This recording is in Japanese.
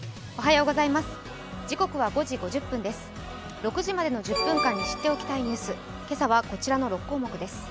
６時までの１０分間に知っておきたいニュース、今朝はこちらの６項目です。